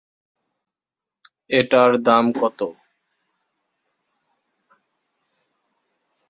এটার দাম কত?